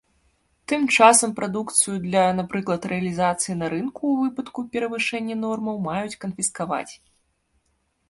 Тым часам прадукцыю для, напрыклад, рэалізацыі на рынку ў выпадку перавышэння нормаў маюць канфіскаваць.